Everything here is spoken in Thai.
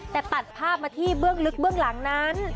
แต่ตัดภาพมาที่เบื้องลึกเบื้องหลังนั้น